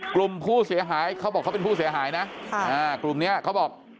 กลุ่มผู้เสียหายเขาบอกเขาเป็นผู้เสียหายนะกลุ่มนี้เขาบอก